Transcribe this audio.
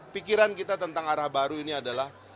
pikiran kita tentang arah baru ini adalah